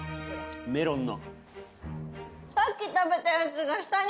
メロンの。